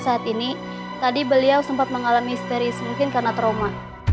saat ini tadi beliau sempat mengalami histeris mungkin karena trauma